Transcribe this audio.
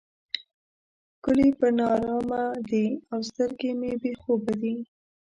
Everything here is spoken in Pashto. ښکلي پر نارامه دي او سترګې مې بې خوبه دي.